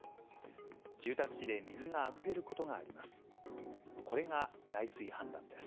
住宅地で水があふれることがあります。